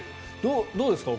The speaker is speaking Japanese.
どうですか？